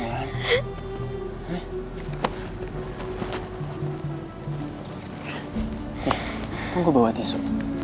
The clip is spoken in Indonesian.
nih tunggu bawa tisu